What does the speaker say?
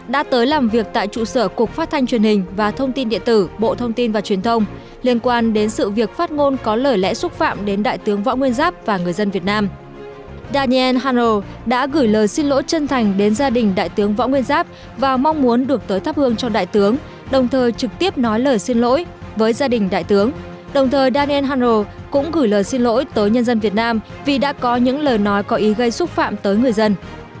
đồng thời daniel hanno cũng gửi lời xin lỗi tới nhân dân việt nam vì đã có những lời nói có ý gây xúc phạm tới người dân